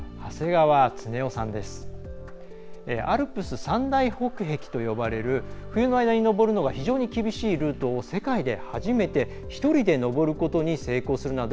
アルプス３大北壁と呼ばれる冬の間に登るのが非常に厳しいルートを世界で初めて１人で登ることに成功するなど